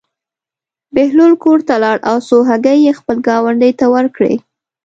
بهلول کور ته لاړ او څو هګۍ یې خپل ګاونډي ته ورکړې.